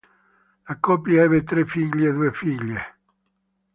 La coppia ebbe tre figli e due figlie.